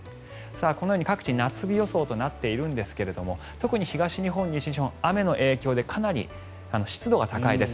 このように各地夏日予想となっているんですが特に東日本、西日本雨の影響でかなり湿度が高いです。